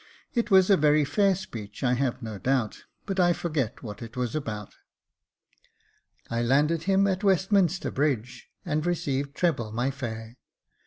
It was a very fair speech, I have no doubt, but I forget what it was about. I landed him at "Westminster Bridge, and received treble my fare.